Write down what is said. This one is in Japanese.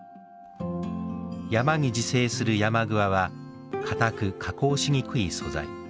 山に自生するヤマグワは堅くて加工しにくい素材。